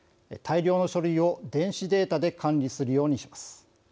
大量の書類を電子データで管理するようにします。